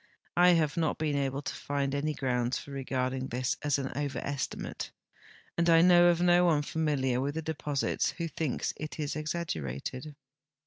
I have not been able to find any grounds for regarding this as an overestimate, and I know of no one familiar Avith the de])Osits Avho thinks it exaggerated.